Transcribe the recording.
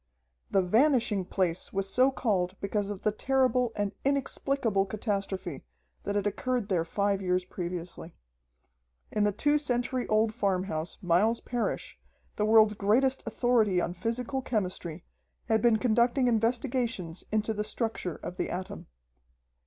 The "Vanishing Place" was so called because of the terrible and inexplicable catastrophe that had occurred there five years previously. In the two century old farmhouse, Miles Parrish, the world's greatest authority on physical chemistry, had been conducting investigations into the structure of the atom.